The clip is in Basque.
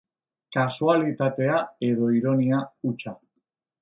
Kasualitatea edo ironia hutsa.